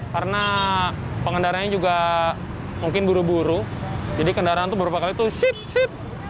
karena pengendaranya juga mungkin buru buru jadi kendaraan itu beberapa kali tuh sip sip